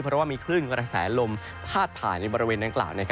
เพราะว่ามีคลื่นกระแสลมพาดผ่านในบริเวณดังกล่าว